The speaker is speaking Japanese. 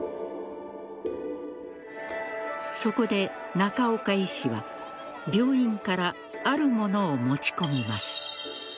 そこで、中岡医師は病院からあるものを持ち込みます。